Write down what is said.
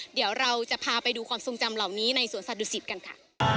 เดี๋ยวเราจะพาไปดูความทรงจำเหล่านี้ในสวนสัตว์ดุสิตกันค่ะ